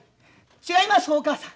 「違いますお母さん！